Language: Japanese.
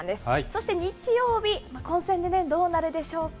そして日曜日、混戦で、どうなるでしょうか。